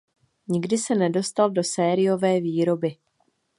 Nikdy se nedostal do sériové výroby.